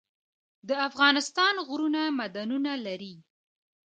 د افغانستان غرونه معدنونه لري